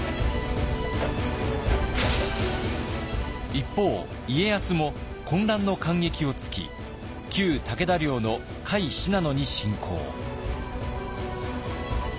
一方家康も混乱の間隙をつき旧武田領の甲斐・信濃に侵攻。